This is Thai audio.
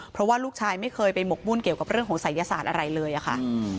เพราะว่าลูกชายไม่เคยไปหมกมุ่นเกี่ยวกับเรื่องของศัยศาสตร์อะไรเลยอะค่ะ